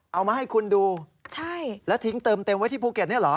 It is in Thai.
เอามาให้คุณดูใช่แล้วทิ้งเติมเต็มไว้ที่ภูเก็ตเนี่ยเหรอ